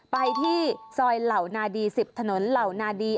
ไปที่ซอยเหล่านาดี๑๐ถนนเหล่านาดี